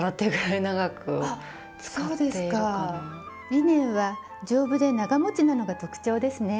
リネンは丈夫で長もちなのが特長ですね。